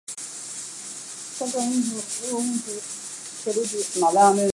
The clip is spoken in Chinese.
该站隶属乌鲁木齐铁路局。